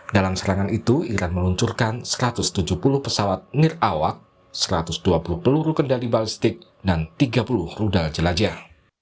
dalam serangan itu iran meluncurkan satu ratus tujuh puluh pesawat nirawak satu ratus dua puluh peluru kendali balistik dan tiga puluh rudal jelajah